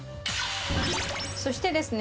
そしてですね